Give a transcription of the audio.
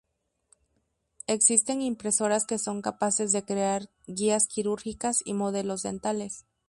Existen impresoras que son capaces de crear guías quirúrgicas y modelos dentales.